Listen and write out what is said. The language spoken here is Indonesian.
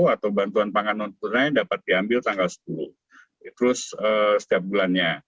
atau bantuan pangan non tunai dapat diambil tanggal sepuluh terus setiap bulannya